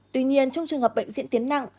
tuy nhiên trong trường hợp bệnh diễn tiến nặng